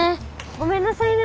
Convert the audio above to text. ごめんなさいね